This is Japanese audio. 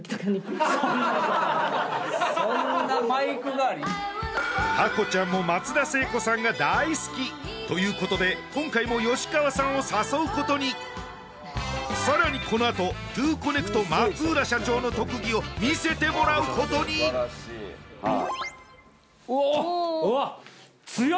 そんなマイク代わりハコちゃんも松田聖子さんが大好きということで今回も吉川さんを誘うことにさらにこのあとトゥーコネクト浦社長の特技を見せてもらうことにああ